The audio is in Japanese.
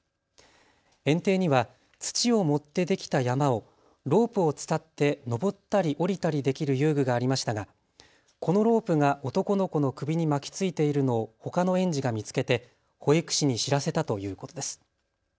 園庭には土を盛ってできた山をロープを伝って上ったり下りたりできる遊具がありましたがこのロープが男の子の首に巻きついているのをほかの園児が見つけて保育士に知らせたということです。